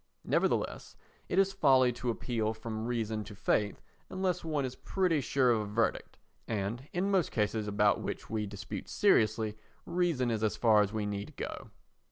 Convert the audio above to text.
Nevertheless it is folly to appeal from reason to faith unless one is pretty sure of a verdict and, in most cases about which we dispute seriously, reason is as far as we need go.